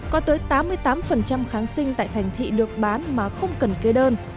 có tới tám mươi tám kháng sinh tại thành thị được bán mà không cần kê đơn